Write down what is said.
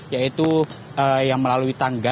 yaitu yang melalui tangga